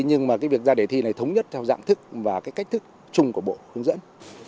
nhưng mà cái việc ra đề thi này thống nhất theo dạng thức và cái cách thức chung của bộ hướng dẫn